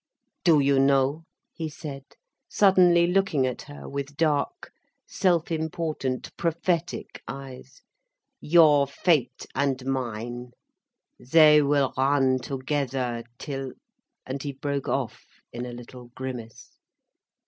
"Do you know," he said, suddenly looking at her with dark, self important, prophetic eyes, "your fate and mine, they will run together, till—" and he broke off in a little grimace.